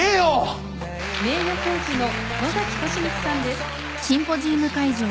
名誉教授の野崎俊光さんです。